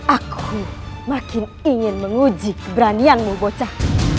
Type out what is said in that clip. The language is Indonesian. aku makin ingin menguji keberanianmu bocah